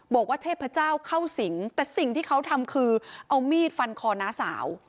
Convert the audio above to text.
บอกว่าเทพเจ้าเข้าสิงแต่สิ่งที่เขาทำคือเอามีดฟันคอน้าสาว